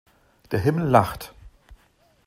Der Himmel lacht!